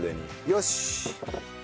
よし！